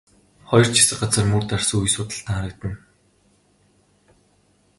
Хоёр ч хэсэг газар мөр дарсан үе судалтан харагдана.